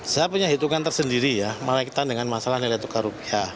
saya punya hitungan tersendiri ya malaikatan dengan masalah nilai tukar rupiah